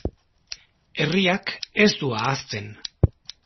Herriak ez du ahazten.